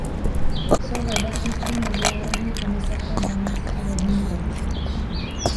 Jsou ve vlastnictví Mezinárodní komise pro hranici a vodní tok.